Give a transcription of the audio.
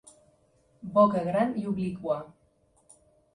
Boca gran i obliqua.